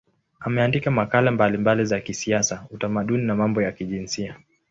Ameandika makala mbalimbali za kisiasa, utamaduni na mambo ya kijinsia.